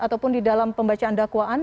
ataupun di dalam pembacaan dakwaan